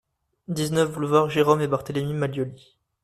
dix-neuf boulevard Jérome et Barthélémy Maglioli